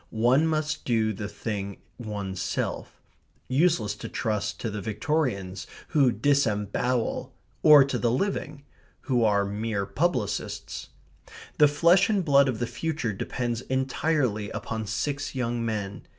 One must do the thing oneself. Useless to trust to the Victorians, who disembowel, or to the living, who are mere publicists. The flesh and blood of the future depends entirely upon six young men.